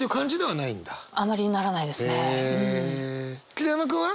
桐山君は？